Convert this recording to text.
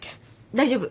大丈夫。